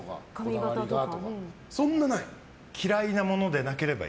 そんなない？